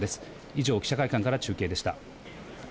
以上、記者会館から中継でした。